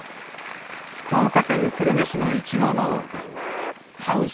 福岡県久留米市のイチゴ農家。